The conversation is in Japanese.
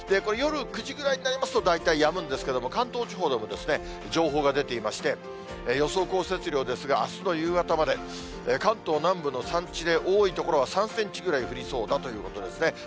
夜９時ぐらいになりますと、大体やむんですけれども、関東地方でも情報が出ていまして、予想降雪量ですが、あすの夕方まで関東南部の山地で多い所は、３センチぐらい降りそうだということですね。